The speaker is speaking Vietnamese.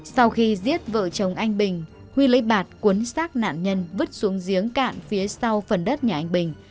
sau khi giết vợ chồng anh bình huy lấy bạc cuốn xác nạn nhân vứt xuống giếng cạn phía sau phần đất nhà anh bình